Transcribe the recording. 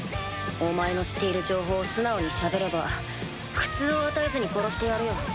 お前の知っている情報を素直に喋れば苦痛を与えずに殺してやるよ。